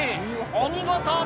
お見事！